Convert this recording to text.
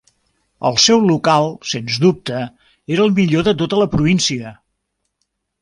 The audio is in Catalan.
El seu local, sens dubte, era el millor de tota la província.